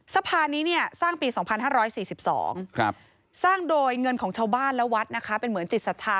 สะพานนี้สร้างปี๒๕๔๒สร้างโดยเงินของชาวบ้านและวัดนะคะเป็นเหมือนจิตศรัทธา